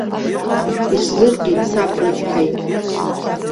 Исзыркит саб рыцҳа ихә.